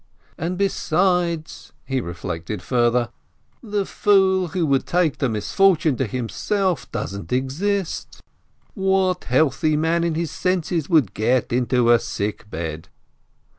"And, besides," he reflected further, "the fool who would take the misfortune to himself, doesn't exist ! 18 BKAUDES What healthy man in his senses would get into a sick bed?"